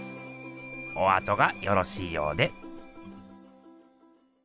おあとがよろしいようで。